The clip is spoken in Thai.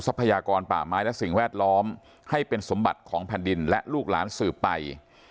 พยากรป่าไม้และสิ่งแวดล้อมให้เป็นสมบัติของแผ่นดินและลูกหลานสืบไป